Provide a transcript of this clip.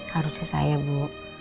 harusnya saya bu